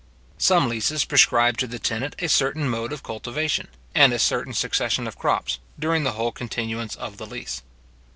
Some leases prescribe to the tenant a certain mode of cultivation, and a certain succession of crops, during the whole continuance of the lease.